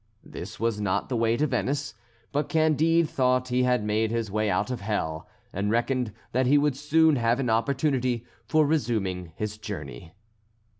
This was not the way to Venice, but Candide thought he had made his way out of hell, and reckoned that he would soon have an opportunity for resuming his journey.